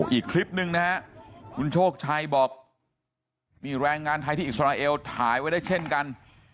อีกคลิปนึงนะฮะคุณโชคชัยบอกมีแรงงานไทยที่อิสราเอลถ่ายไว้ได้เช่นกัน